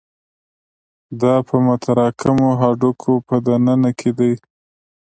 دا په متراکمو هډوکو په دننه کې دي.